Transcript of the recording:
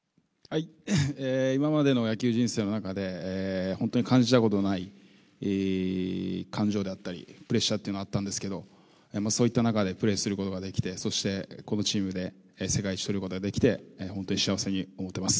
今までの野球人生の中で、本当に感じたことのない感情であったり、プレッシャーというのがあったんですけど、そういった中でプレーすることができて、そして、このチームで世界一取ることができて、本当に幸せに思ってます。